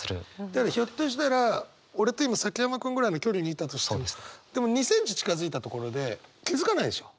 だからひょっとしたら俺と今崎山君ぐらいの距離にいたとしてもでも２センチ近づいたところで気付かないでしょ？